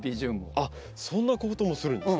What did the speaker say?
あっそんなこともするんですね。